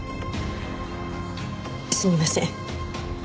すみません。